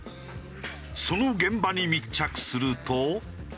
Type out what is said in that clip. その現場に密着すると。